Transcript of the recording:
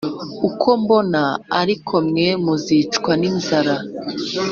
Uko mbona ariko mwe muzicwa n’inzara